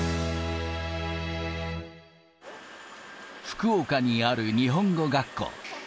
福岡にある日本語学校。